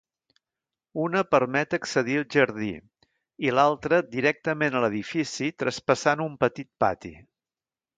Una permet accedir al jardí i l'altre directament a l'edifici traspassant un petit pati.